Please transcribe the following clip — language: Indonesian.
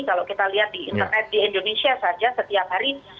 kalau kita lihat di internet di indonesia saja setiap hari